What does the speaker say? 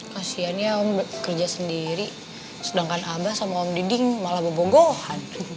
kasihan ya om kerja sendiri sedangkan abah sama om diding malah bebogohan